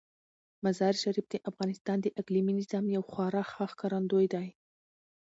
مزارشریف د افغانستان د اقلیمي نظام یو خورا ښه ښکارندوی دی.